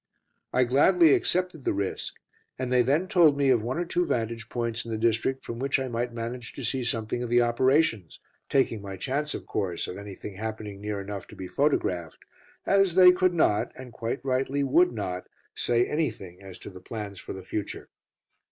I gladly accepted the risk, and they then told me of one or two vantage points in the district from which I might manage to see something of the operations, taking my chance, of course, of anything happening near enough to be photographed, as they could not, and quite rightly would not, say anything as to the plans for the future.